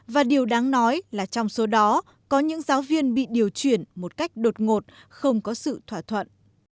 và điều đáng nói là trong số đó có những giáo viên bị điều chuyển một cách đột ngột không có sự thỏa thuận